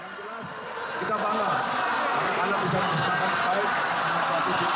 pertama kita bangga anak anak bisa membutuhkan baik